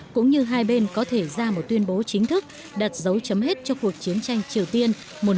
cũng như hai bên có thể ra một tuyên bố chính thức đặt dấu chấm hết cho cuộc chiến tranh triều tiên một nghìn chín trăm năm mươi một nghìn chín trăm năm mươi ba